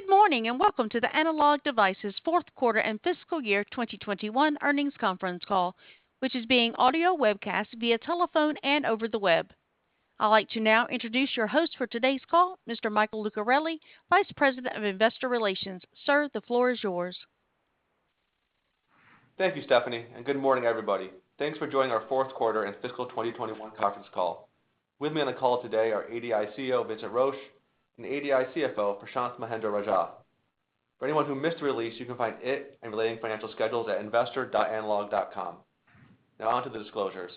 Good morning, and welcome to the Analog Devices fourth quarter and fiscal year 2021 earnings conference call, which is being audio webcast via telephone and over the web. I'd like to now introduce your host for today's call, Mr. Mike Lucarelli, Vice President of Investor Relations. Sir, the floor is yours. Thank you, Stephanie, and good morning, everybody. Thanks for joining our fourth quarter and fiscal 2021 conference call. With me on the call today are ADI CEO Vincent Roche and ADI CFO Prashanth Mahendra-Rajah. For anyone who missed the release, you can find it and related financial schedules at investor.analog.com. Now on to the disclosures.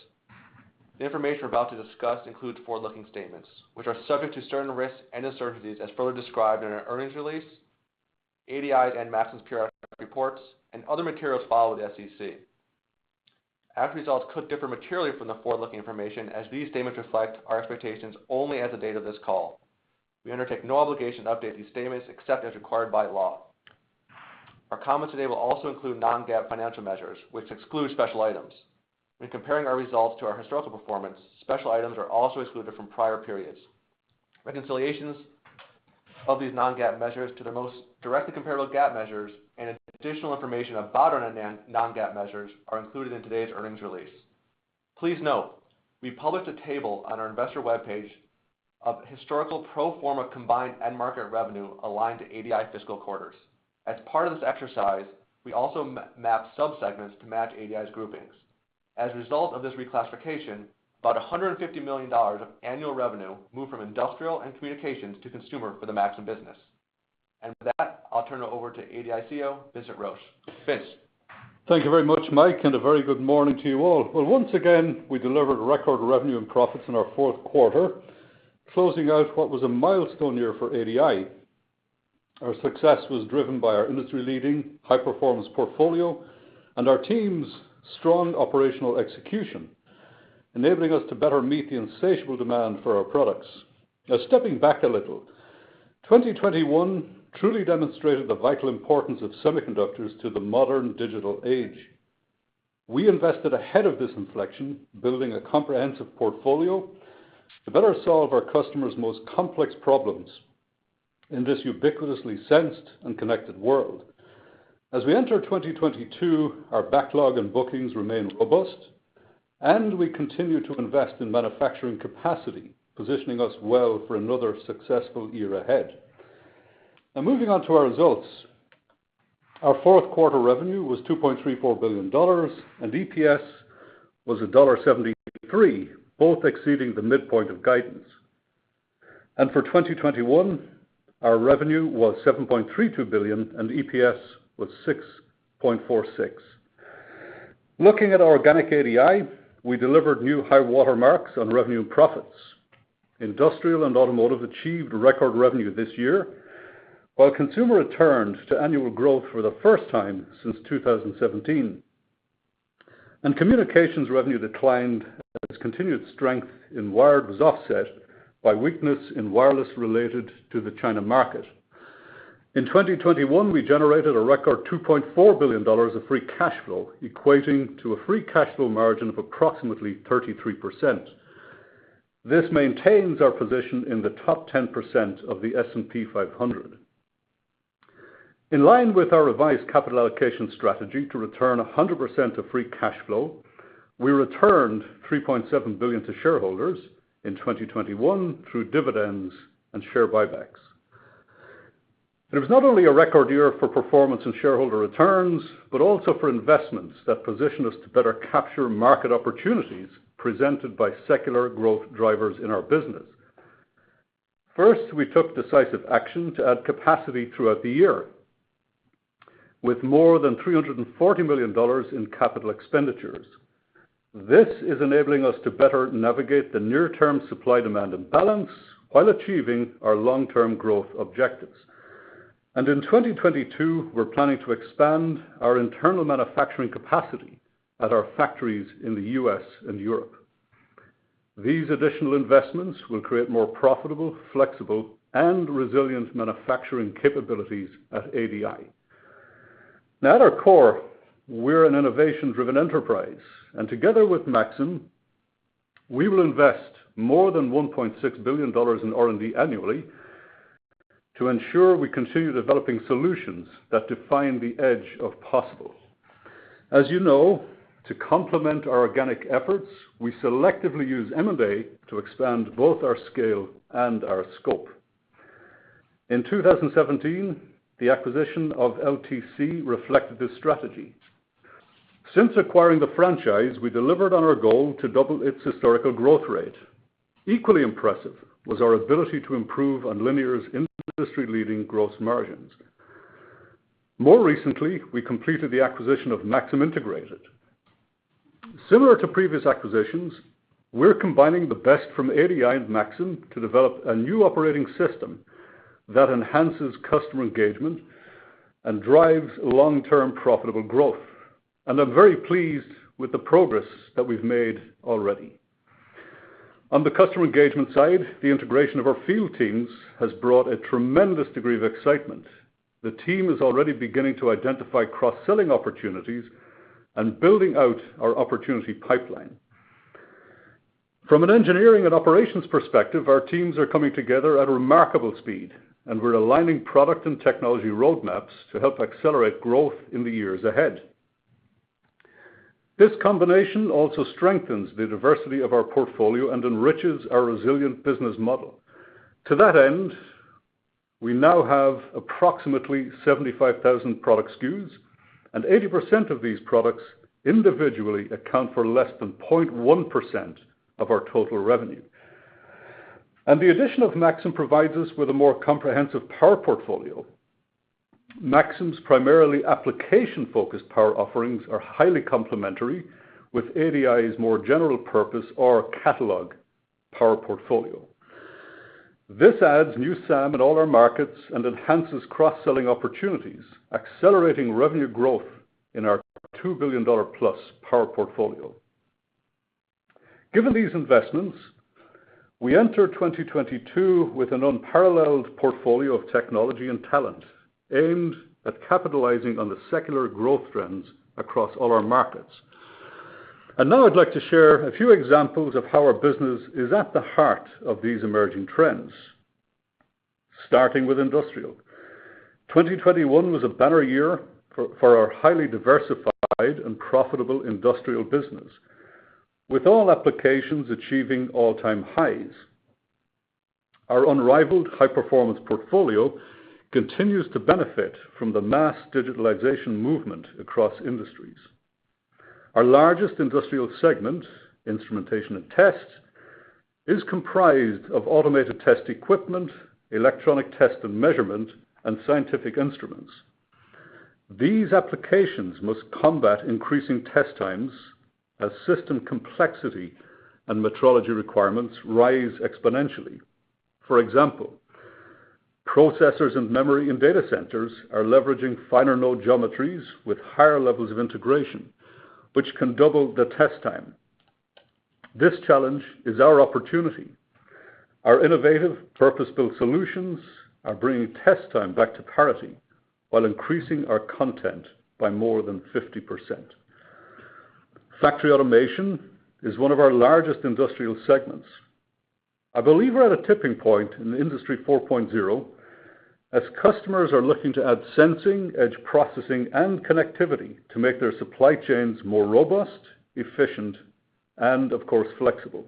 The information we're about to discuss includes forward-looking statements, which are subject to certain risks and uncertainties as further described in our earnings release, ADI's and Maxim's periodic reports and other materials filed with SEC. As results could differ materially from the forward-looking information as these statements reflect our expectations only as of the date of this call. We undertake no obligation to update these statements except as required by law. Our comments today will also include non-GAAP financial measures, which exclude special items. When comparing our results to our historical performance, special items are also excluded from prior periods. Reconciliations of these non-GAAP measures to their most directly comparable GAAP measures and additional information about our non-GAAP measures are included in today's earnings release. Please note, we published a table on our investor webpage of historical pro forma combined end market revenue aligned to ADI fiscal quarters. As part of this exercise, we also map sub-segments to match ADI's groupings. As a result of this reclassification, about $150 million of annual revenue moved from industrial and communications to consumer for the Maxim business. With that, I'll turn it over to ADI CEO Vincent Roche. Vince. Thank you very much, Mike, and a very good morning to you all. Well, once again, we delivered record revenue and profits in our fourth quarter, closing out what was a milestone year for ADI. Our success was driven by our industry-leading high-performance portfolio and our team's strong operational execution, enabling us to better meet the insatiable demand for our products. Now, stepping back a little, 2021 truly demonstrated the vital importance of semiconductors to the modern digital age. We invested ahead of this inflection, building a comprehensive portfolio to better solve our customers' most complex problems in this ubiquitously sensed and connected world. As we enter 2022, our backlog and bookings remain robust, and we continue to invest in manufacturing capacity, positioning us well for another successful year ahead. Now moving on to our results. Our fourth quarter revenue was $2.34 billion, and EPS was $1.73, both exceeding the midpoint of guidance. For 2021, our revenue was $7.32 billion, and EPS was $6.46. Looking at our organic ADI, we delivered new high-water marks on revenue and profits. Industrial and automotive achieved record revenue this year, while consumer returned to annual growth for the first time since 2017. Communications revenue declined as continued strength in wired was offset by weakness in wireless related to the China market. In 2021, we generated a record $2.4 billion of free cash flow, equating to a free cash flow margin of approximately 33%. This maintains our position in the top 10% of the S&P 500. In line with our revised capital allocation strategy to return 100% of free cash flow, we returned $3.7 billion to shareholders in 2021 through dividends and share buybacks. It was not only a record year for performance and shareholder returns, but also for investments that position us to better capture market opportunities presented by secular growth drivers in our business. First, we took decisive action to add capacity throughout the year with more than $340 million in capital expenditures. This is enabling us to better navigate the near-term supply-demand imbalance while achieving our long-term growth objectives. In 2022, we're planning to expand our internal manufacturing capacity at our factories in the U.S. and Europe. These additional investments will create more profitable, flexible, and resilient manufacturing capabilities at ADI. Now, at our core, we're an innovation-driven enterprise, and together with Maxim, we will invest more than $1.6 billion in R&D annually to ensure we continue developing solutions that define the edge of possible. As you know, to complement our organic efforts, we selectively use M&A to expand both our scale and our scope. In 2017, the acquisition of LTC reflected this strategy. Since acquiring the franchise, we delivered on our goal to double its historical growth rate. Equally impressive was our ability to improve on Linear's industry-leading gross margins. More recently, we completed the acquisition of Maxim Integrated. Similar to previous acquisitions, we're combining the best from ADI and Maxim to develop a new operating system that enhances customer engagement and drives long-term profitable growth. I'm very pleased with the progress that we've made already. On the customer engagement side, the integration of our field teams has brought a tremendous degree of excitement. The team is already beginning to identify cross-selling opportunities and building out our opportunity pipeline. From an engineering and operations perspective, our teams are coming together at a remarkable speed, and we're aligning product and technology roadmaps to help accelerate growth in the years ahead. This combination also strengthens the diversity of our portfolio and enriches our resilient business model. To that end, we now have approximately 75,000 product SKUs, and 80% of these products individually account for less than 0.1% of our total revenue. The addition of Maxim provides us with a more comprehensive power portfolio. Maxim's primarily application-focused power offerings are highly complementary with ADI's more general purpose or catalog power portfolio. This adds new SAM in all our markets and enhances cross-selling opportunities, accelerating revenue growth in our $2 billion-plus power portfolio. Given these investments, we enter 2022 with an unparalleled portfolio of technology and talent aimed at capitalizing on the secular growth trends across all our markets. Now I'd like to share a few examples of how our business is at the heart of these emerging trends, starting with industrial. 2021 was a banner year for our highly diversified and profitable industrial business, with all applications achieving all-time highs. Our unrivaled high-performance portfolio continues to benefit from the mass digitalization movement across industries. Our largest industrial segment, Instrumentation and Test, is comprised of automated test equipment, electronic test and measurement, and scientific instruments. These applications must combat increasing test times as system complexity and metrology requirements rise exponentially. For example, processors and memory in data centers are leveraging finer node geometries with higher levels of integration, which can double the test time. This challenge is our opportunity. Our innovative purpose-built solutions are bringing test time back to parity while increasing our content by more than 50%. Factory automation is one of our largest industrial segments. I believe we're at a tipping point in Industry 4.0 as customers are looking to add sensing, edge processing, and connectivity to make their supply chains more robust, efficient, and of course, flexible.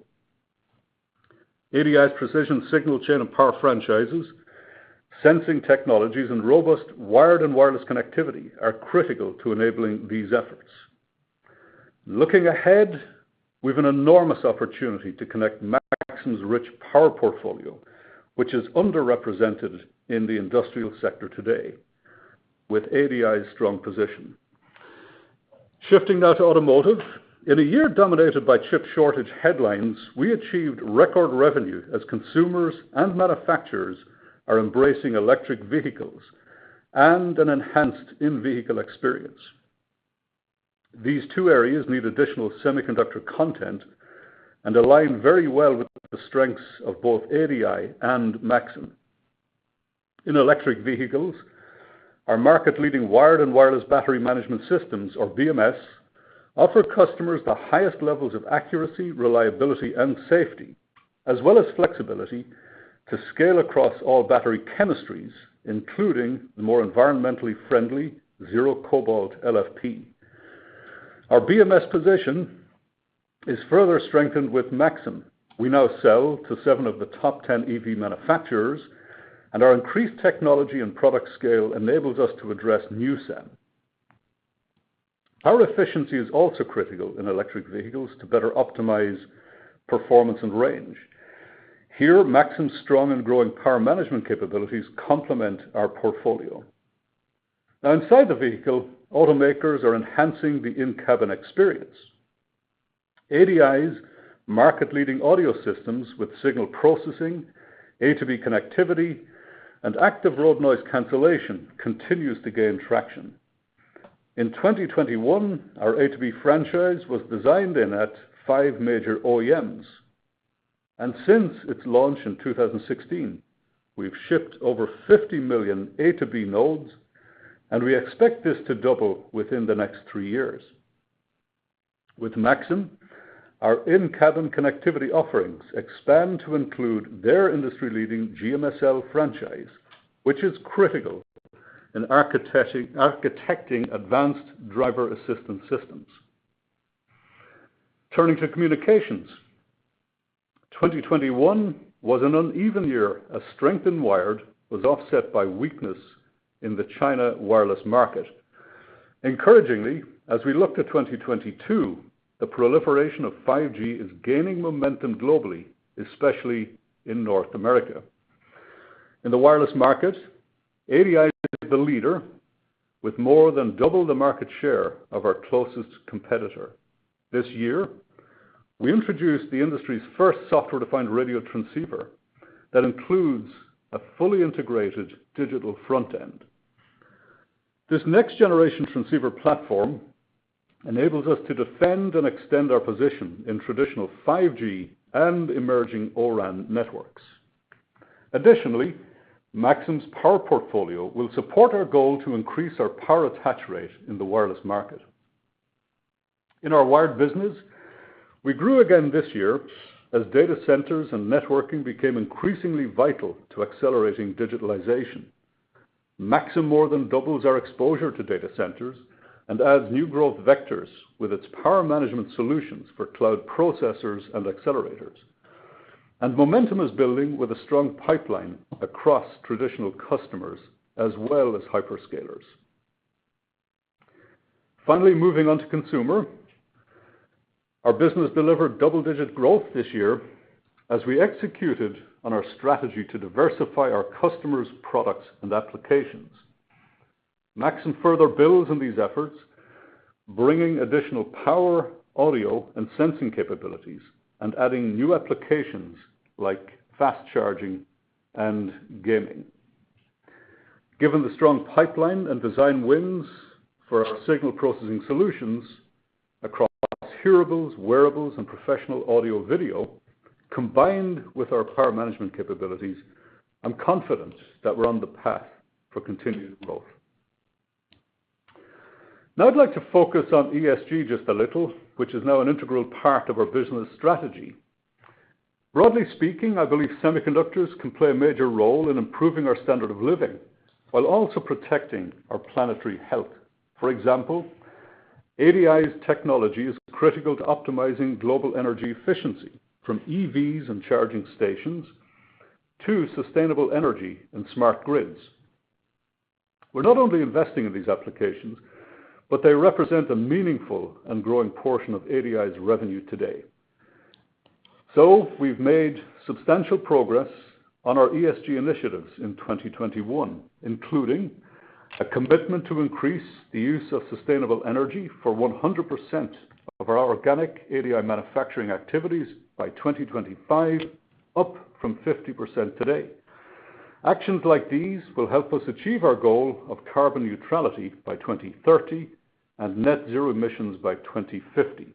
ADI's precision signal chain and power franchises, sensing technologies, and robust wired and wireless connectivity are critical to enabling these efforts. Looking ahead, we have an enormous opportunity to connect Maxim's rich power portfolio, which is underrepresented in the industrial sector today with ADI's strong position. Shifting now to Automotive. In a year dominated by chip shortage headlines, we achieved record revenue as consumers and manufacturers are embracing electric vehicles and an enhanced in-vehicle experience. These two areas need additional semiconductor content and align very well with the strengths of both ADI and Maxim. In electric vehicles, our market-leading wired and wireless battery management systems or BMS offer customers the highest levels of accuracy, reliability, and safety, as well as flexibility to scale across all battery chemistries, including the more environmentally friendly zero cobalt LFP. Our BMS position is further strengthened with Maxim. We now sell to seven of the top 10 EV manufacturers, and our increased technology and product scale enables us to address new SAM. Power efficiency is also critical in electric vehicles to better optimize performance and range. Here, Maxim's strong and growing power management capabilities complement our portfolio. Now inside the vehicle, automakers are enhancing the in-cabin experience. ADI's market-leading audio systems with signal processing, A to B connectivity, and active road noise cancellation continues to gain traction. In 2021, our A to B franchise was designed in at five major OEMs. Since its launch in 2016, we've shipped over 50 million A to B nodes, and we expect this to double within the next three years. With Maxim, our in-cabin connectivity offerings expand to include their industry-leading GMSL franchise, which is critical in architecting advanced driver assistance systems. Turning to communications. 2021 was an uneven year as strength in wired was offset by weakness in the China wireless market. Encouragingly, as we look to 2022, the proliferation of 5G is gaining momentum globally, especially in North America. In the wireless market, ADI is the leader with more than double the market share of our closest competitor. This year, we introduced the industry's first software-defined radio transceiver that includes a fully integrated digital front end. This next generation transceiver platform enables us to defend and extend our position in traditional 5G and emerging O-RAN networks. Additionally, Maxim's power portfolio will support our goal to increase our power attach rate in the wireless market. In our wired business, we grew again this year as data centers and networking became increasingly vital to accelerating digitalization. Maxim more than doubles our exposure to data centers and adds new growth vectors with its power management solutions for cloud processors and accelerators. Momentum is building with a strong pipeline across traditional customers as well as hyperscalers. Finally, moving on to consumer. Our business delivered double-digit growth this year as we executed on our strategy to diversify our customers' products and applications. Maxim further builds on these efforts, bringing additional power, audio, and sensing capabilities and adding new applications like fast charging and gaming. Given the strong pipeline and design wins for our signal processing solutions across hearables, wearables, and professional audio video, combined with our power management capabilities, I'm confident that we're on the path for continued growth. Now I'd like to focus on ESG just a little, which is now an integral part of our business strategy. Broadly speaking, I believe semiconductors can play a major role in improving our standard of living while also protecting our planetary health. For example, ADI's technology is critical to optimizing global energy efficiency from EVs and charging stations to sustainable energy and smart grids. We're not only investing in these applications, but they represent a meaningful and growing portion of ADI's revenue today. We've made substantial progress on our ESG initiatives in 2021, including a commitment to increase the use of sustainable energy for 100% of our organic ADI manufacturing activities by 2025, up from 50% today. Actions like these will help us achieve our goal of carbon neutrality by 2030 and net zero emissions by 2050.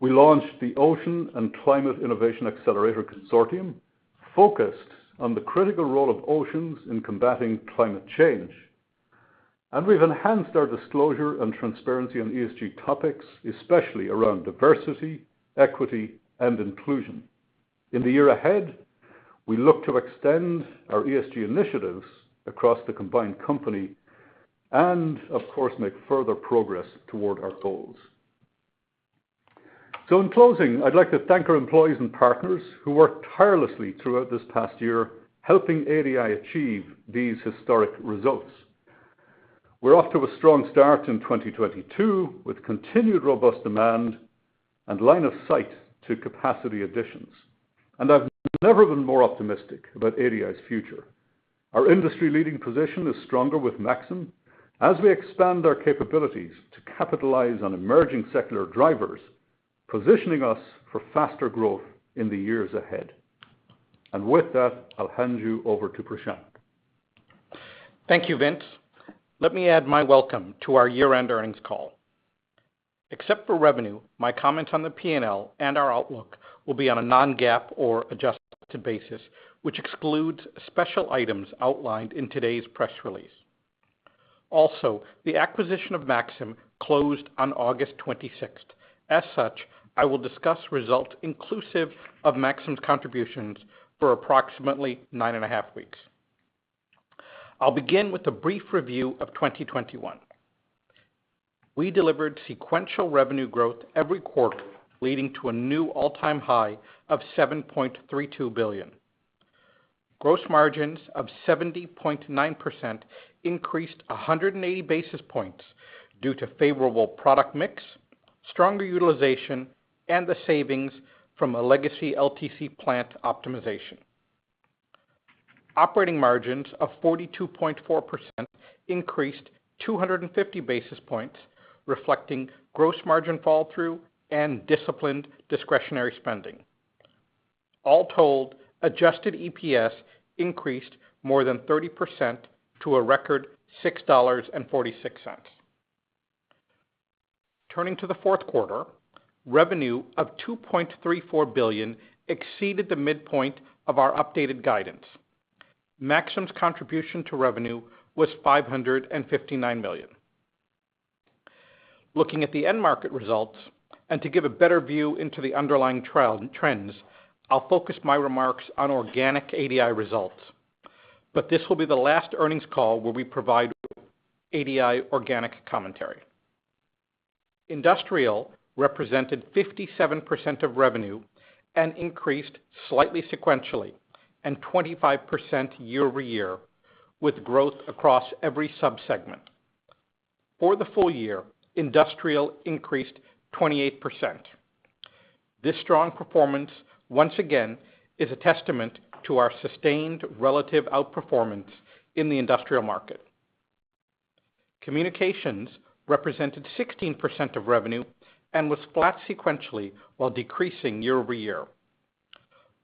We launched the Ocean and Climate Innovation Accelerator Consortium, focused on the critical role of oceans in combating climate change. We've enhanced our disclosure and transparency on ESG topics, especially around diversity, equity, and inclusion. In the year ahead, we look to extend our ESG initiatives across the combined company and of course, make further progress toward our goals. In closing, I'd like to thank our employees and partners who worked tirelessly throughout this past year, helping ADI achieve these historic results. We're off to a strong start in 2022 with continued robust demand and line of sight to capacity additions. I've never been more optimistic about ADI's future. Our industry-leading position is stronger with Maxim as we expand our capabilities to capitalize on emerging secular drivers, positioning us for faster growth in the years ahead. With that, I'll hand you over to Prashanth. Thank you, Vince. Let me add my welcome to our year-end earnings call. Except for revenue, my comments on the P&L and our outlook will be on a non-GAAP or adjusted basis, which excludes special items outlined in today's press release. Also, the acquisition of Maxim closed on August 26th. As such, I will discuss results inclusive of Maxim's contributions for approximately nine and a half weeks. I'll begin with a brief review of 2021. We delivered sequential revenue growth every quarter, leading to a new all-time high of $7.32 billion. Gross margins of 70.9% increased 180 basis points due to favorable product mix, stronger utilization, and the savings from a legacy LTC plant optimization. Operating margins of 42.4% increased 250 basis points reflecting gross margin fall through and disciplined discretionary spending. All told, adjusted EPS increased more than 30% to a record $6.46. Turning to the fourth quarter, revenue of $2.34 billion exceeded the midpoint of our updated guidance. Maxim's contribution to revenue was $559 million. Looking at the end market results, and to give a better view into the underlying trends, I'll focus my remarks on organic ADI results. This will be the last earnings call where we provide ADI organic commentary. Industrial represented 57% of revenue and increased slightly sequentially, and 25% year-over-year, with growth across every sub-segment. For the full year, industrial increased 28%. This strong performance, once again, is a testament to our sustained relative outperformance in the industrial market. Communications represented 16% of revenue and was flat sequentially while decreasing year-over-year.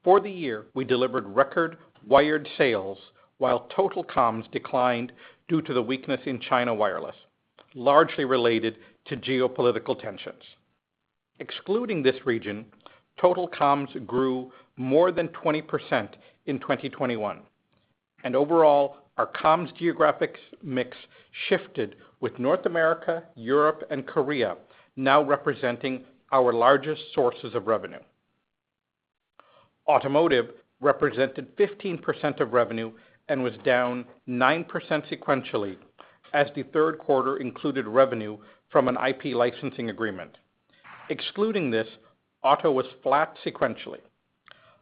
For the year, we delivered record wired sales while total comms declined due to the weakness in China wireless, largely related to geopolitical tensions. Excluding this region, total comms grew more than 20% in 2021. Overall, our comms geographic mix shifted with North America, Europe, and Korea now representing our largest sources of revenue. Automotive represented 15% of revenue and was down 9% sequentially as the third quarter included revenue from an IP licensing agreement. Excluding this, auto was flat sequentially.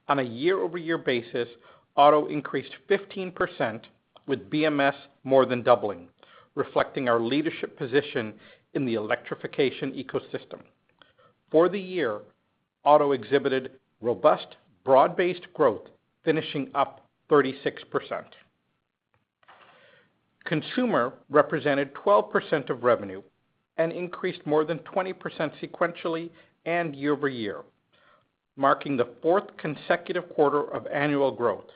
On a year-over-year basis, auto increased 15% with BMS more than doubling, reflecting our leadership position in the electrification ecosystem. For the year, auto exhibited robust, broad-based growth, finishing up 36%. Consumer represented 12% of revenue and increased more than 20% sequentially and year-over-year, marking the fourth consecutive quarter of annual growth.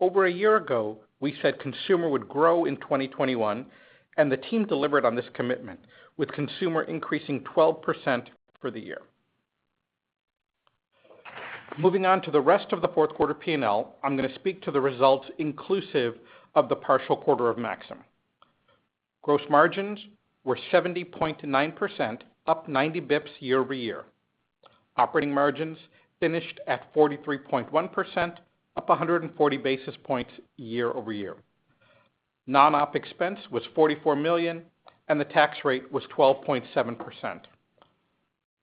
Over a year ago, we said consumer would grow in 2021, and the team delivered on this commitment, with consumer increasing 12% for the year. Moving on to the rest of the fourth quarter P&L, I'm gonna speak to the results inclusive of the partial quarter of Maxim. Gross margins were 70.9%, up 90 basis points year-over-year. Operating margins finished at 43.1%, up 140 basis points year-over-year. Non-OpEx expense was $44 million, and the tax rate was 12.7%.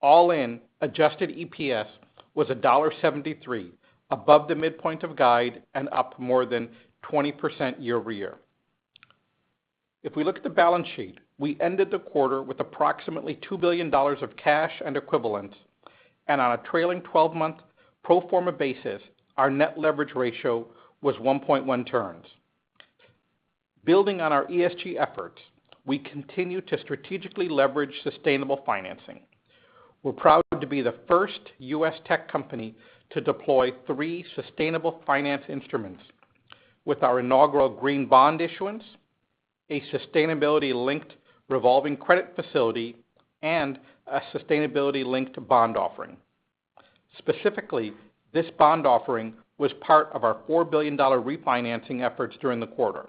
All in, adjusted EPS was $1.73, above the midpoint of guide and up more than 20% year-over-year. If we look at the balance sheet, we ended the quarter with approximately $2 billion of cash and equivalent, and on a trailing twelve-month pro forma basis, our net leverage ratio was 1.1 turns. Building on our ESG efforts, we continue to strategically leverage sustainable financing. We're proud to be the first U.S. tech company to deploy three sustainable finance instruments with our inaugural green bond issuance, a sustainability-linked revolving credit facility, and a sustainability-linked bond offering. Specifically, this bond offering was part of our $4 billion refinancing efforts during the quarter.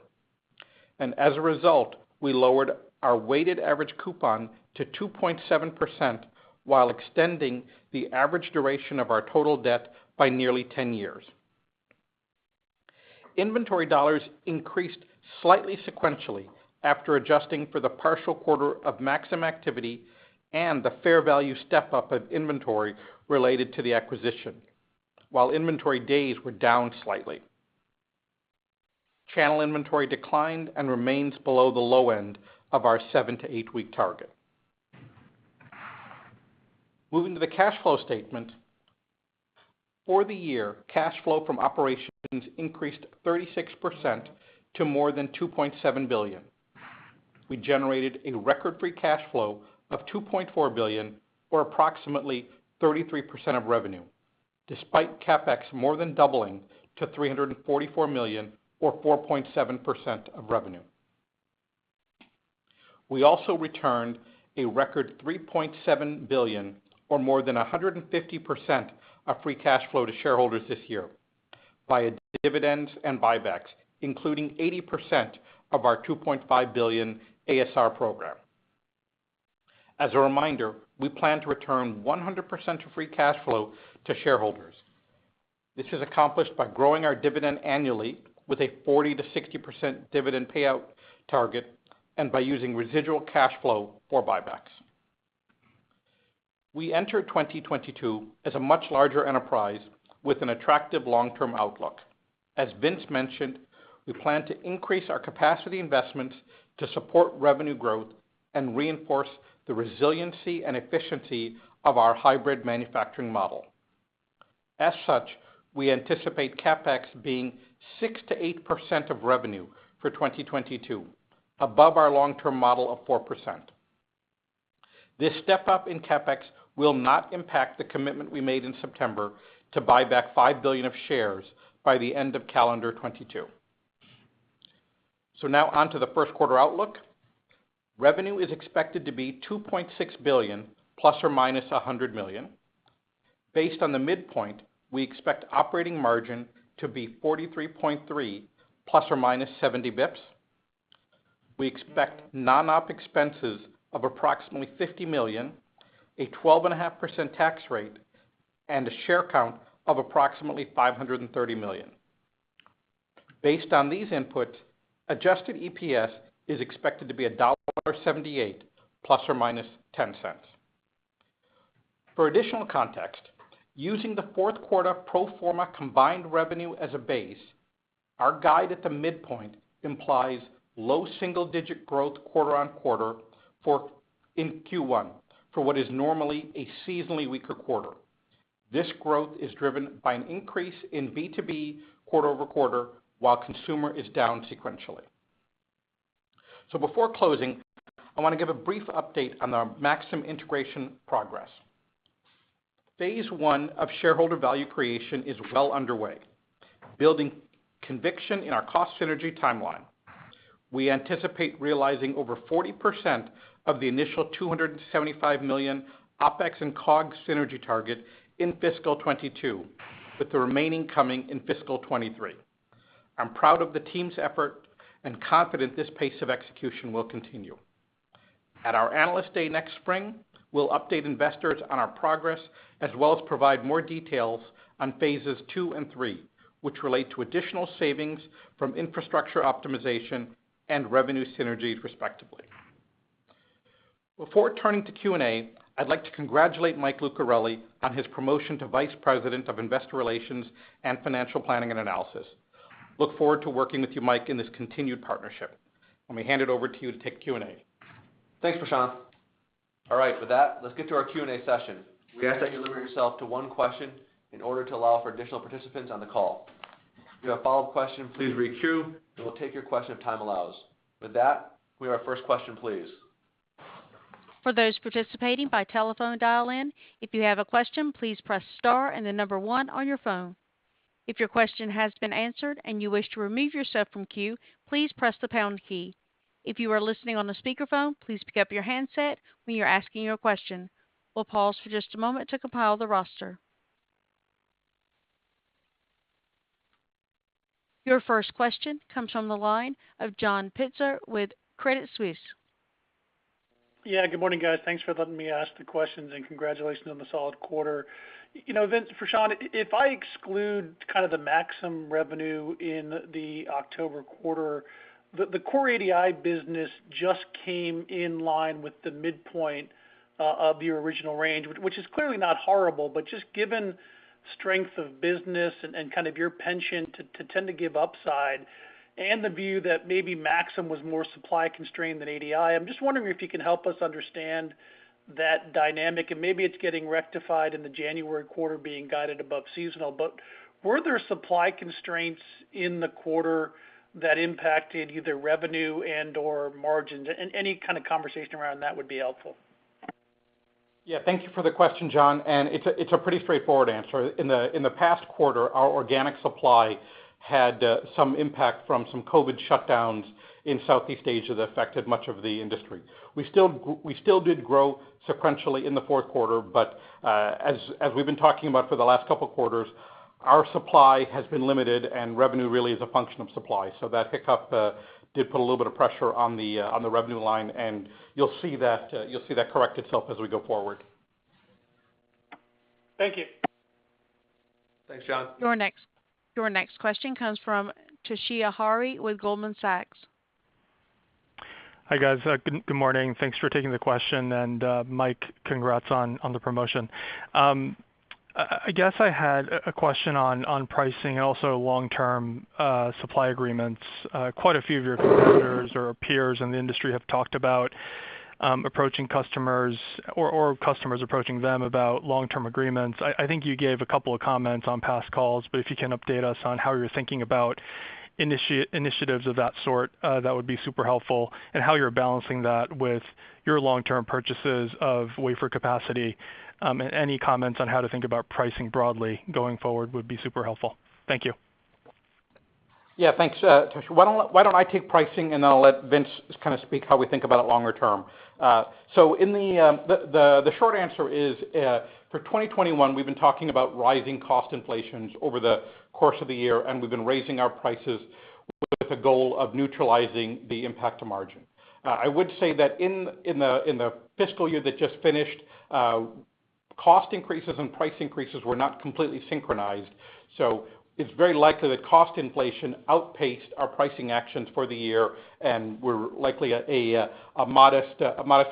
As a result, we lowered our weighted average coupon to 2.7% while extending the average duration of our total debt by nearly 10 years. Inventory dollars increased slightly sequentially after adjusting for the partial quarter of Maxim activity and the fair value step-up of inventory related to the acquisition, while inventory days were down slightly. Channel inventory declined and remains below the low end of our seven to eight week target. Moving to the cash flow statement. For the year, cash flow from operations increased 36% to more than $2.7 billion. We generated a record free cash flow of $2.4 billion or approximately 33% of revenue, despite CapEx more than doubling to $344 million or 4.7% of revenue. We also returned a record $3.7 billion or more than 150% of free cash flow to shareholders this year by dividends and buybacks, including 80% of our $2.5 billion ASR program. As a reminder, we plan to return 100% of free cash flow to shareholders. This is accomplished by growing our dividend annually with a 40%-60% dividend payout target and by using residual cash flow for buybacks. We enter 2022 as a much larger enterprise with an attractive long-term outlook. As Vince mentioned, we plan to increase our capacity investments to support revenue growth and reinforce the resiliency and efficiency of our hybrid manufacturing model. As such, we anticipate CapEx being 6%-8% of revenue for 2022, above our long-term model of 4%. This step-up in CapEx will not impact the commitment we made in September to buy back $5 billion of shares by the end of calendar 2022. Now on to the first quarter outlook. Revenue is expected to be $2.6 billion ± $100 million. Based on the midpoint, we expect operating margin to be 43.3% ± 70 basis points. We expect non-OpEx expenses of approximately $50 million, a 12.5% tax rate, and a share count of approximately $530 million. Based on these inputs, adjusted EPS is expected to be $1.78 ± $0.10. For additional context, using the fourth quarter pro forma combined revenue as a base, our guide at the midpoint implies low single-digit growth quarter-over-quarter in Q1 for what is normally a seasonally weaker quarter. This growth is driven by an increase in B2B quarter-over-quarter, while consumer is down sequentially. Before closing, I want to give a brief update on our Maxim integration progress. Phase one of shareholder value creation is well underway, building conviction in our cost synergy timeline. We anticipate realizing over 40% of the initial $275 million OpEx and COGS synergy target in fiscal 2022, with the remaining coming in fiscal 2023. I'm proud of the team's effort and confident this pace of execution will continue. At our Analyst Day next spring, we'll update investors on our progress as well as provide more details on phases II and III, which relate to additional savings from infrastructure optimization and revenue synergies, respectively. Before turning to Q&A, I'd like to congratulate Mike Lucarelli on his promotion to Vice President of Investor Relations & Financial Planning & Analysis. I look forward to working with you, Mike, in this continued partnership. Let me hand it over to you to take Q&A. Thanks, Prashanth. All right, with that, let's get to our Q&A session. We ask that you limit yourself to one question in order to allow for additional participants on the call. If you have a follow-up question, please re-queue, and we'll take your question if time allows. With that, we'll take the first question, please. For those participating by telephone dial-in, if you have a question, please press star and one on your phone. If your question has been answered and you wish to remove yourself from queue, please press the pound key. If you are listening on the speakerphone, please pick up your handset when you're asking your question. We'll pause for just a moment to compile the roster. Your first question comes from the line of John Pitzer with Credit Suisse. Yeah, good morning, guys. Thanks for letting me ask the questions, and congratulations on the solid quarter. You know, Vince, Prashanth, if I exclude kind of the Maxim revenue in the October quarter, the core ADI business just came in line with the midpoint of your original range, which is clearly not horrible, but just given strength of business and kind of your penchant to tend to give upside and the view that maybe Maxim was more supply constrained than ADI. I'm just wondering if you can help us understand that dynamic, and maybe it's getting rectified in the January quarter being guided above seasonal. Were there supply constraints in the quarter that impacted either revenue and/or margins? Any kind of conversation around that would be helpful. Yeah, thank you for the question, John. It's a pretty straightforward answer. In the past quarter, our organic supply had some impact from some COVID shutdowns in Southeast Asia that affected much of the industry. We still did grow sequentially in the fourth quarter, but as we've been talking about for the last couple of quarters, our supply has been limited and revenue really is a function of supply. That hiccup did put a little bit of pressure on the revenue line, and you'll see that correct itself as we go forward. Thank you. Thanks, John. Your next question comes from Toshiya Hari with Goldman Sachs. Hi, guys. Good morning. Thanks for taking the question. Mike, congrats on the promotion. I guess I had a question on pricing, also long-term supply agreements. Quite a few of your competitors or peers in the industry have talked about approaching customers or customers approaching them about long-term agreements. I think you gave a couple of comments on past calls, but if you can update us on how you're thinking about initiatives of that sort, that would be super helpful, and how you're balancing that with your long-term purchases of wafer capacity. Any comments on how to think about pricing broadly going forward would be super helpful. Thank you. Yeah, thanks, Toshiya. Why don't I take pricing, and then I'll let Vince kind of speak how we think about it longer term. The short answer is, for 2021, we've been talking about rising cost inflation over the course of the year, and we've been raising our prices with the goal of neutralizing the impact to margin. I would say that in the fiscal year that just finished, cost increases and price increases were not completely synchronized. It's very likely that cost inflation outpaced our pricing actions for the year, and we're likely at a modest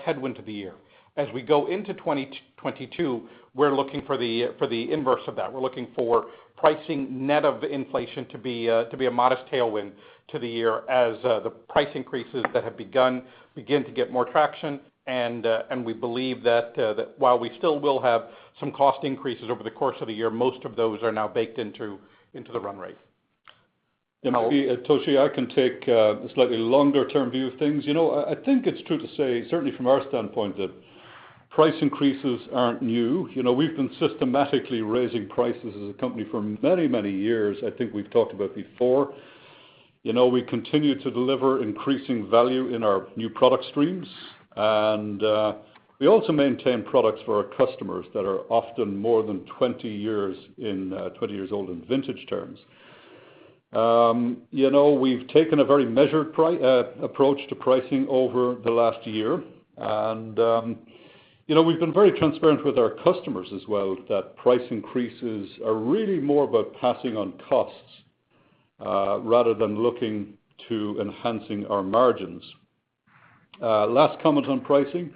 headwind to the year. As we go into 2022, we're looking for the inverse of that. We're looking for pricing net of inflation to be a modest tailwind to the year as the price increases that have begun to get more traction, and we believe that while we still will have some cost increases over the course of the year, most of those are now baked into the run rate. Toshiya, I can take a slightly longer-term view of things. You know, I think it's true to say, certainly from our standpoint, that price increases aren't new. You know, we've been systematically raising prices as a company for many, many years. I think we've talked about before. You know, we continue to deliver increasing value in our new product streams. We also maintain products for our customers that are often more than 20 years old in vintage terms. You know, we've taken a very measured approach to pricing over the last year. You know, we've been very transparent with our customers as well that price increases are really more about passing on costs rather than looking to enhancing our margins. Last comment on pricing.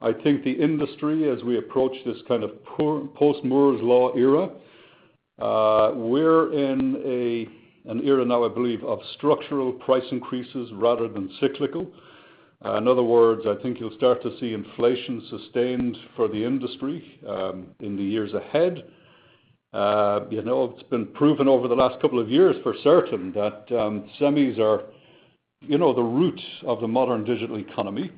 I think the industry, as we approach this kind of post Moore's Law era, we're in an era now, I believe, of structural price increases rather than cyclical. In other words, I think you'll start to see inflation sustained for the industry, in the years ahead. You know, it's been proven over the last couple of years for certain that, semis are, you know, the root of the modern digital economy.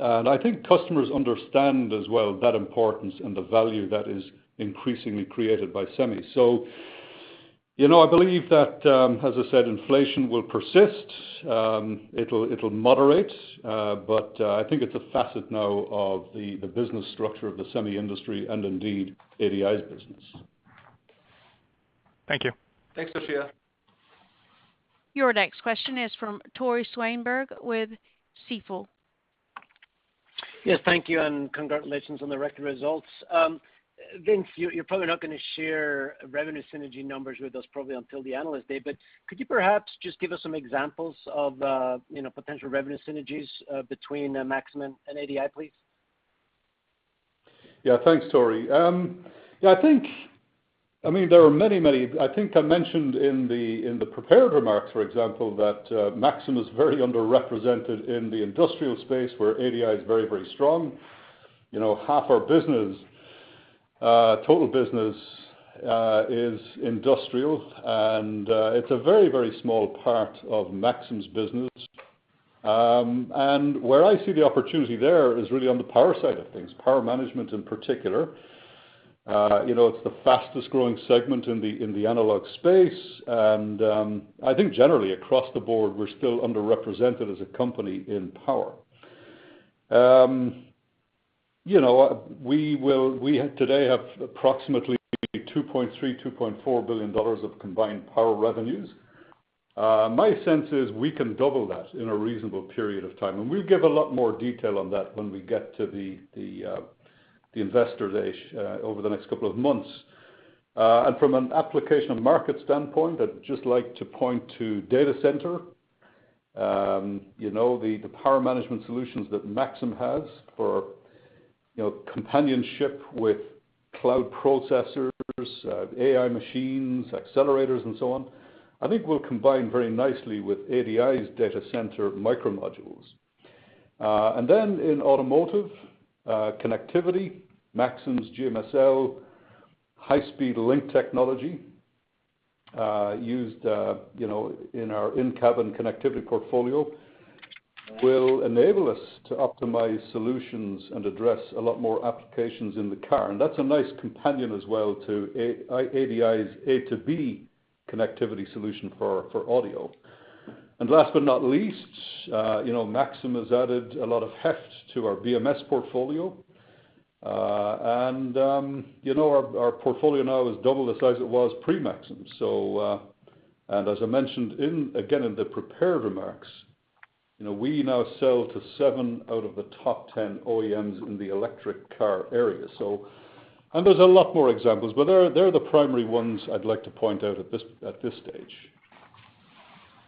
I think customers understand as well that importance and the value that is increasingly created by semis. You know, I believe that, as I said, inflation will persist. It'll moderate, but I think it's a facet now of the business structure of the semi-industry and indeed ADI's business. Thank you. Thanks, Toshiya. Your next question is from Tore Svanberg with Stifel. Yes, thank you, and congratulations on the record results. Vince, you're probably not gonna share revenue synergy numbers with us until the Analyst Day, but could you perhaps just give us some examples of, you know, potential revenue synergies between Maxim and ADI, please? Yeah. Thanks, Tore. I mean, there are many. I think I mentioned in the prepared remarks, for example, that Maxim is very underrepresented in the industrial space where ADI is very strong. You know, half our business, total business, is industrial, and it's a very small part of Maxim's business. And where I see the opportunity there is really on the power side of things, power management in particular. You know, it's the fastest growing segment in the analog space, and I think generally across the board, we're still underrepresented as a company in power. You know, we today have approximately $2.3 billion-$2.4 billion of combined power revenues. My sense is we can double that in a reasonable period of time, and we'll give a lot more detail on that when we get to the Investor Day over the next couple of months. From an application market standpoint, I'd just like to point to data center. You know, the power management solutions that Maxim has for, you know, complementing cloud processors, AI machines, accelerators, and so on, I think will combine very nicely with ADI's data center µModules. Then in automotive connectivity, Maxim's GMSL high speed link technology, used, you know, in our in-cabin connectivity portfolio will enable us to optimize solutions and address a lot more applications in the car. That's a nice companion as well to ADI's A2B connectivity solution for audio. Last but not least, you know, Maxim has added a lot of heft to our BMS portfolio. You know, our portfolio now is double the size it was pre-Maxim. As I mentioned again in the prepared remarks, you know, we now sell to seven out of the top 10 OEMs in the electric car area. There's a lot more examples, but they're the primary ones I'd like to point out at this stage.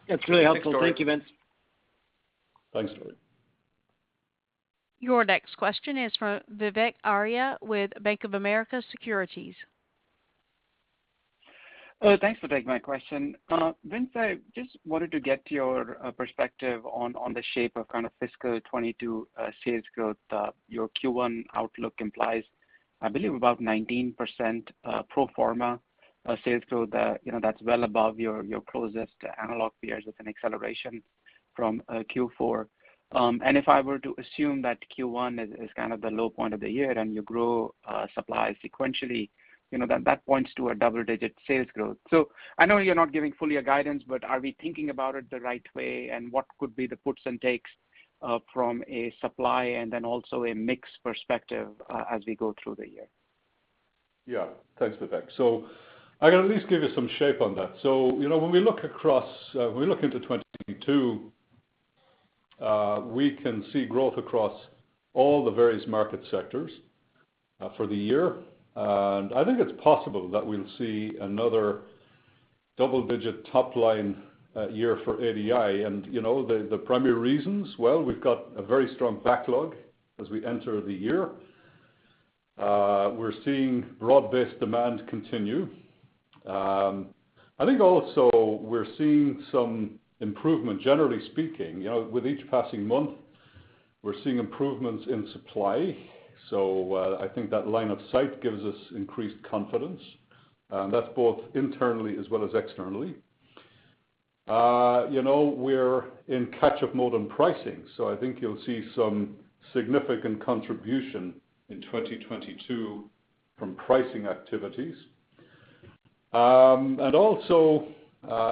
That's really helpful. Thank you, Vince. Thanks, Tore. Your next question is from Vivek Arya with Bank of America Securities. Thanks for taking my question. Vince, I just wanted to get your perspective on the shape of kind of fiscal 2022 sales growth. Your Q1 outlook implies, I believe, about 19% pro forma sales growth, you know, that's well above your closest analog peers with an acceleration from Q4. If I were to assume that Q1 is kind of the low point of the year and you grow supply sequentially, you know, then that points to a double-digit sales growth. I know you're not giving full guidance, but are we thinking about it the right way? What could be the puts and takes from a supply and then also a mix perspective as we go through the year? Yeah. Thanks, Vivek. I can at least give you some shape on that. You know, when we look into 2022, we can see growth across all the various market sectors for the year. I think it's possible that we'll see another double-digit top line year for ADI. You know, the primary reasons, well, we've got a very strong backlog as we enter the year. We're seeing broad-based demand continue. I think also we're seeing some improvement generally speaking. You know, with each passing month, we're seeing improvements in supply. I think that line of sight gives us increased confidence, and that's both internally as well as externally. You know, we're in catch-up mode on pricing, so I think you'll see some significant contribution in 2022 from pricing activities. Also,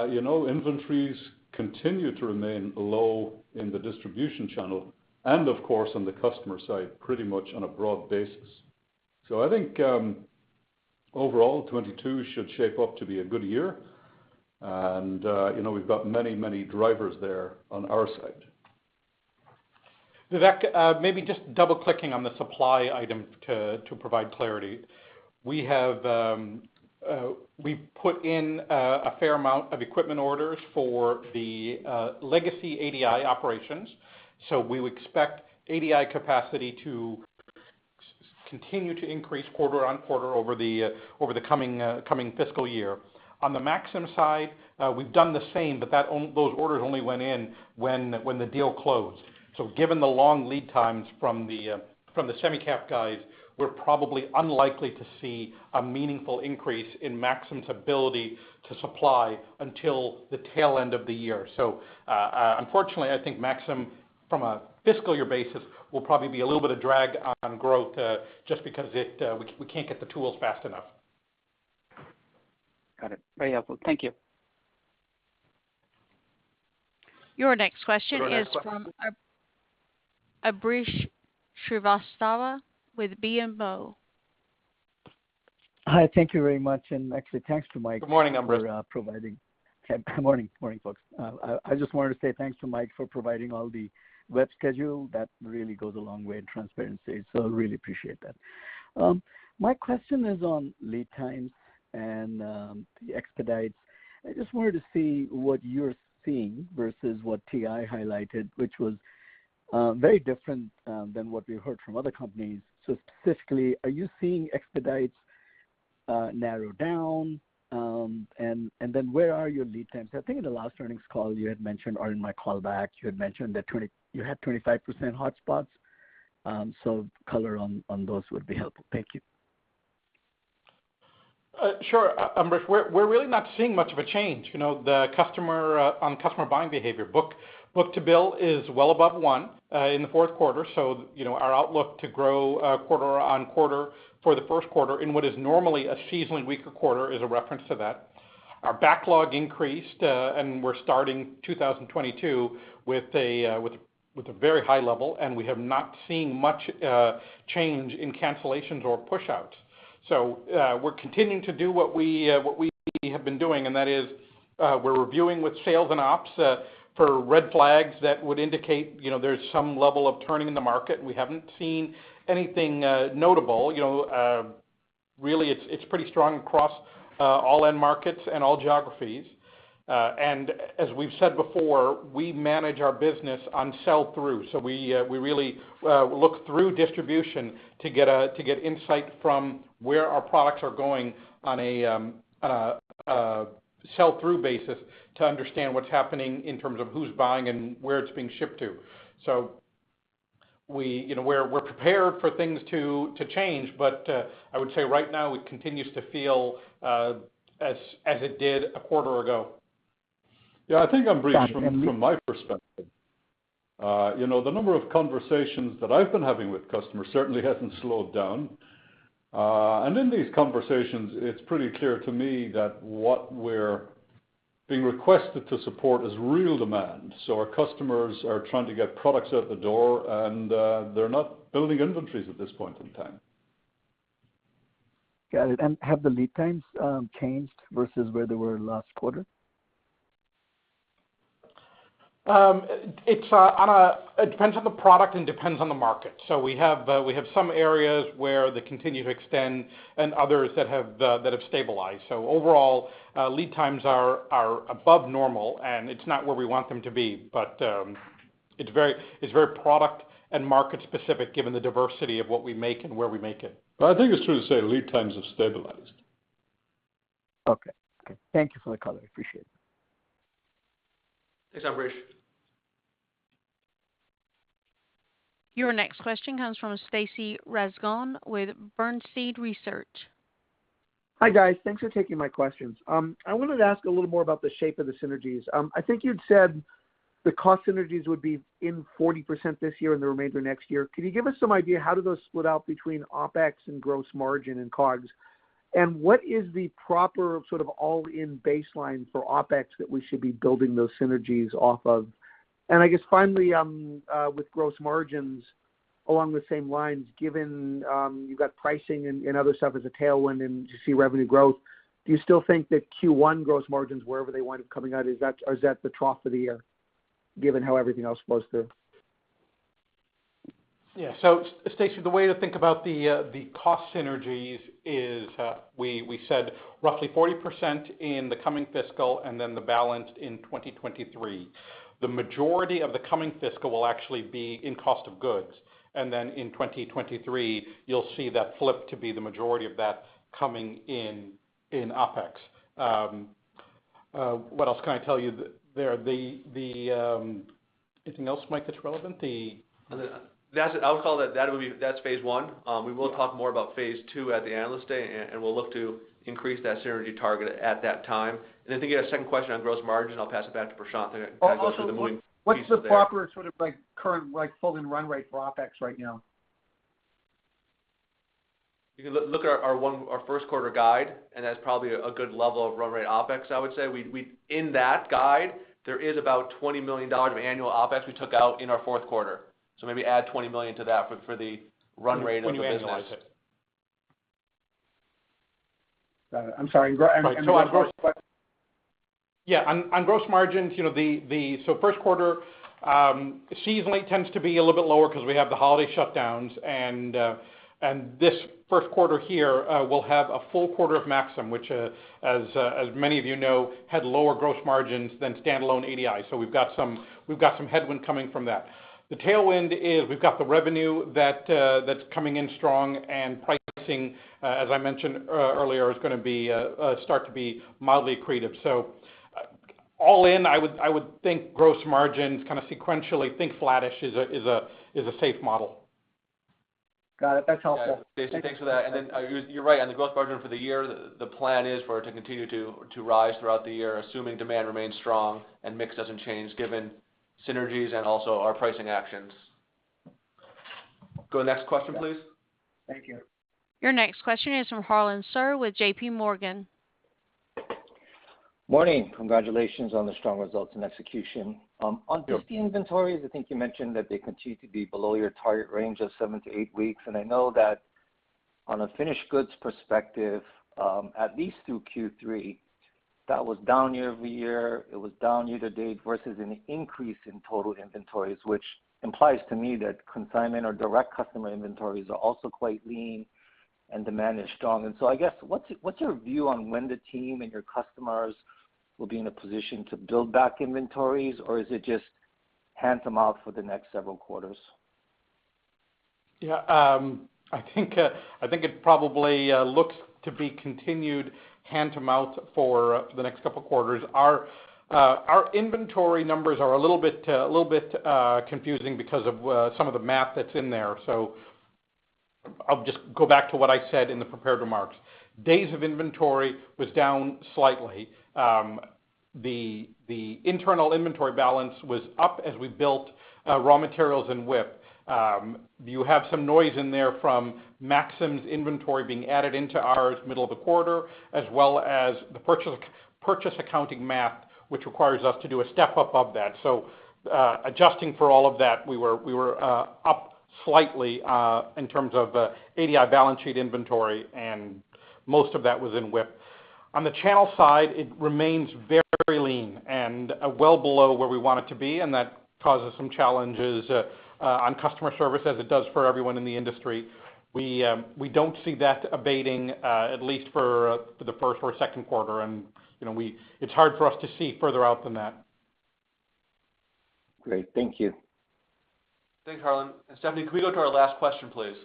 you know, inventories continue to remain low in the distribution channel and of course on the customer side, pretty much on a broad basis. I think, overall, 2022 should shape up to be a good year. you know, we've got many drivers there on our side. Vivek, maybe just double clicking on the supply item to provide clarity. We have put in a fair amount of equipment orders for the legacy ADI operations. We would expect ADI capacity to continue to increase quarter-on-quarter over the coming fiscal year. On the Maxim side, we've done the same, but those orders only went in when the deal closed. Given the long lead times from the Semicap guys, we're probably unlikely to see a meaningful increase in Maxim's ability to supply until the tail end of the year. Unfortunately, I think Maxim from a fiscal year basis will probably be a little bit of drag on growth, just because it, we can't get the tools fast enough. Got it. Very helpful. Thank you. Your next question is from Ambrish Srivastava with BMO. Hi, thank you very much. Actually, thanks to Mike- Good morning, Ambrish. Good morning, folks. I just wanted to say thanks to Mike for providing all the web schedule. That really goes a long way in transparency, so really appreciate that. My question is on lead times and the expedites. I just wanted to see what you're seeing versus what TI highlighted, which was very different than what we heard from other companies. Specifically, are you seeing expedites narrow down? And then where are your lead times? I think in the last earnings call you had mentioned, or in my call back you had mentioned that you had 25% hotspots. Color on those would be helpful. Thank you. Sure, Ambrish. We're really not seeing much of a change, you know, the customer on customer buying behavior. Book-to-bill is well above one in the fourth quarter, so you know, our outlook to grow quarter-over-quarter for the first quarter in what is normally a seasonally weaker quarter is a reference to that. Our backlog increased, and we're starting 2022 with a very high level, and we have not seen much change in cancellations or push-outs. We're continuing to do what we have been doing, and that is, we're reviewing with sales and ops for red flags that would indicate, you know, there's some level of turning in the market. We haven't seen anything notable. You know, really, it's pretty strong across all end markets and all geographies. As we've said before, we manage our business on sell-through. We really look through distribution to get insight from where our products are going on a sell-through basis to understand what's happening in terms of who's buying and where it's being shipped to. You know, we're prepared for things to change. I would say right now it continues to feel as it did a quarter ago. Yeah. I think, Ambrish, from my perspective, you know, the number of conversations that I've been having with customers certainly hasn't slowed down. In these conversations, it's pretty clear to me that what we're being requested to support is real demand. Our customers are trying to get products out the door, and they're not building inventories at this point in time. Got it. Have the lead times changed versus where they were last quarter? It depends on the product and depends on the market. We have some areas where they continue to extend and others that have stabilized. Overall, lead times are above normal, and it's not where we want them to be. It's very product and market specific, given the diversity of what we make and where we make it. I think it's true to say lead times have stabilized. Okay. Thank you for the color. Appreciate it. Thanks, Ambrish. Your next question comes from Stacy Rasgon with Bernstein Research. Hi, guys. Thanks for taking my questions. I wanted to ask a little more about the shape of the synergies. I think you'd said the cost synergies would be 40% this year and the remainder next year. Can you give us some idea how those split out between OpEx and gross margin and COGS? What is the proper sort of all-in baseline for OpEx that we should be building those synergies off of? I guess finally, with gross margins along the same lines, given you've got pricing and other stuff as a tailwind and you see revenue growth, do you still think that Q1 gross margins wherever they wind up coming out is that the trough of the year given how everything else flows through? Stacy, the way to think about the cost synergies is, we said roughly 40% in the coming fiscal and then the balance in 2023. The majority of the coming fiscal will actually be in cost of goods. In 2023 you'll see that flip to be the majority of that coming in OpEx. What else can I tell you there? Anything else, Mike, that's relevant? That's it. I would call that phase one. We will talk more about phase two at the Analyst Day, and we'll look to increase that synergy target at that time. I think you had a second question on gross margin. I'll pass it back to Prashanth and- Also what's- also the moving pieces there. What's the proper sort of like current like full and run rate for OpEx right now? You can look at our first quarter guide, and that's probably a good level of run rate OpEx, I would say. In that guide, there is about $20 million of annual OpEx we took out in our fourth quarter. Maybe add $20 million to that for the run rate of the business when you annualize it. Got it. I'm sorry, and gross- Right. On gross And gross- Yeah. On gross margins, you know, so first quarter seasonally tends to be a little bit lower because we have the holiday shutdowns and this first quarter here we'll have a full quarter of Maxim, which as many of you know had lower gross margins than standalone ADI. We've got some headwind coming from that. The tailwind is we've got the revenue that's coming in strong, and pricing as I mentioned earlier is gonna start to be mildly accretive. All in, I would think gross margins kind of sequentially think flattish is a safe model. Got it. That's helpful. Yeah. Stacy, thanks for that. You, you're right on the gross margin for the year. The plan is for it to continue to rise throughout the year, assuming demand remains strong and mix doesn't change given synergies and also our pricing actions. Go next question, please. Thank you. Your next question is from Harlan Sur with JPMorgan. Morning. Congratulations on the strong results and execution. Yeah. On just the inventories, I think you mentioned that they continue to be below your target range of seven to eight weeks. I know that on a finished goods perspective, at least through Q3, that was down year-over-year, it was down year-to-date versus an increase in total inventories, which implies to me that consignment or direct customer inventories are also quite lean and demand is strong. I guess, what's your view on when the team and your customers will be in a position to build back inventories, or is it just hand to mouth for the next several quarters? Yeah, I think it probably looks to be continued hand to mouth for the next couple of quarters. Our inventory numbers are a little bit confusing because of some of the math that's in there. I'll just go back to what I said in the prepared remarks. Days of inventory was down slightly. The internal inventory balance was up as we built raw materials in WIP. You have some noise in there from Maxim's inventory being added into ours in the middle of the quarter, as well as the purchase accounting math, which requires us to do a step-up of that. Adjusting for all of that, we were up slightly in terms of ADI balance sheet inventory, and most of that was in WIP. On the channel side, it remains very lean and well below where we want it to be, and that causes some challenges on customer service, as it does for everyone in the industry. We don't see that abating, at least for the first or second quarter. You know, it's hard for us to see further out than that. Great. Thank you. Thanks, Harlan. Stephanie, can we go to our last question, please?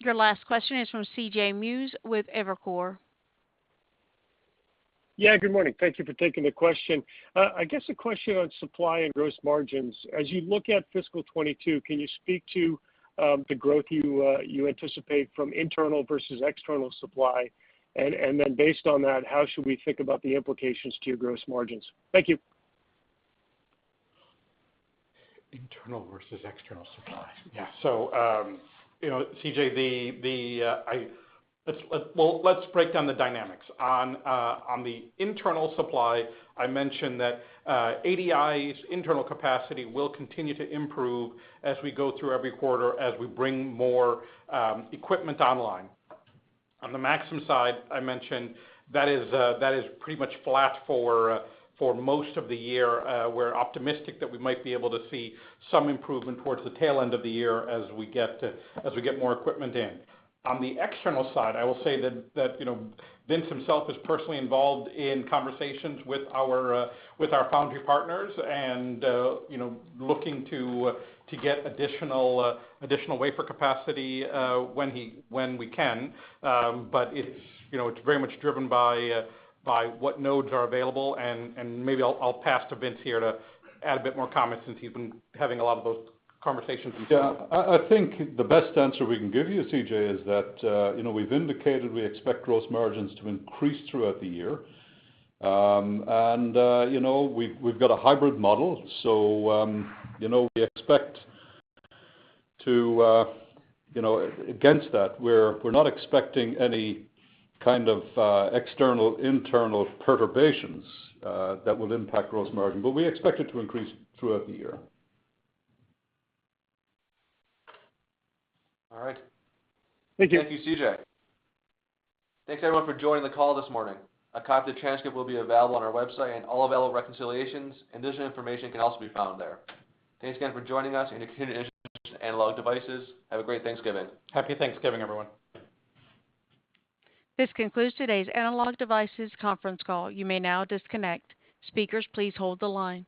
Your last question is from C.J. Muse with Evercore. Yeah, good morning. Thank you for taking the question. I guess a question on supply and gross margins. As you look at fiscal 2022, can you speak to the growth you anticipate from internal versus external supply? Based on that, how should we think about the implications to your gross margins? Thank you. Internal versus external supply. Yeah. You know, C.J., let's break down the dynamics. On the internal supply, I mentioned that ADI's internal capacity will continue to improve as we go through every quarter as we bring more equipment online. On the Maxim side, I mentioned that it is pretty much flat for most of the year. We're optimistic that we might be able to see some improvement towards the tail end of the year as we get more equipment in. On the external side, I will say that, you know, Vince himself is personally involved in conversations with our foundry partners and, you know, looking to get additional wafer capacity when we can. It's, you know, it's very much driven by what nodes are available, and maybe I'll pass to Vincent here to add a bit more comment since he's been having a lot of those conversations himself. Yeah. I think the best answer we can give you, C.J., is that, you know, we've indicated we expect gross margins to increase throughout the year. You know, we've got a hybrid model, so, you know, we expect to, you know, against that, we're not expecting any kind of, external, internal perturbations, that will impact gross margin, but we expect it to increase throughout the year. All right. Thank you, C.J. Thanks, everyone, for joining the call this morning. A copy of the transcript will be available on our website and all available reconciliations and additional information can also be found there. Thanks again for joining us and continued interest in Analog Devices. Have a great Thanksgiving. Happy Thanksgiving, everyone. This concludes today's Analog Devices conference call. You may now disconnect. Speakers, please hold the line.